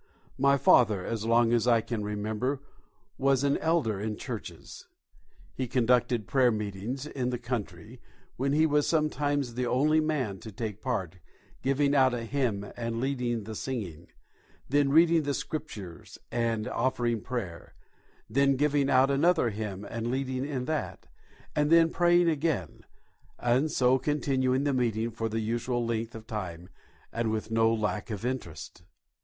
My father, as long as I can remember, was an elder in churches. He conducted prayer meetings in the country, when he was sometimes the only man to take part, giving out a hymn and leading the singing; then reading the Scriptures and offering prayer; then giving out another hymn and leading in that; and then praying again; and so continuing the meeting for the usual length of time, and with no lack of interest.